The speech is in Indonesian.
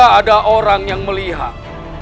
tidak ada orang yang melihat